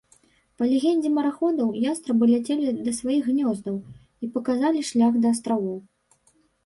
Па легендзе мараходаў, ястрабы ляцелі да сваіх гнёздаў і паказалі шлях да астравоў.